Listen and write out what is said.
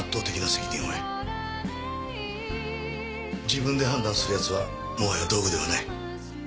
自分で判断する奴はもはや道具ではない。